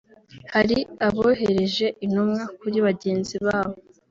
hari abohereje intumwa kuri bagenzi babo